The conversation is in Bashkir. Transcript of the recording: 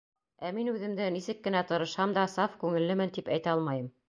Ә мин үҙемде, нисек кенә тырышһам да, саф күңеллемен тип әйтә алмайым.